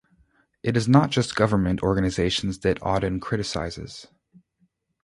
It is not just government organizations that Auden criticizes.